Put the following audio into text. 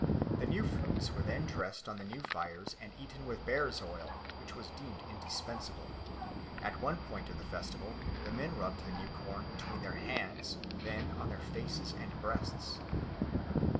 The new fruits were then dressed on the new fires and eaten with bear's oil, which was deemed indispensable. At one point of the festival the men rubbed the new corn between their hands, then on their faces and breasts.